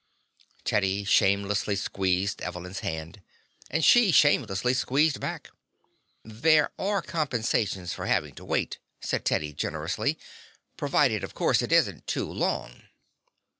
Teddy shamelessly squeezed Evelyn's hand, and she as shamelessly squeezed back. "There are compensations for having to wait," said Teddy generously, "provided, of course, it isn't too long."